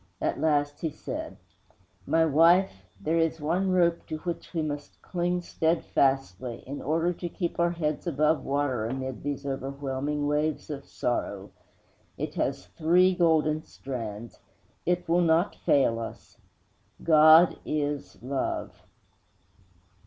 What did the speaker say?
At last he said, "My wife, there is one rope to which we must cling steadfastly, in order to keep our heads above water amid these overwhelming waves of sorrow. It has three golden strands. It will not fail us. GOD IS LOVE."